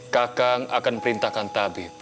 kakang akan perintahkan tabib